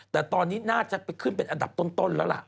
แต่ตอนนี้น่าจะไปขึ้นเป็นอันดับต้นแล้วล่ะ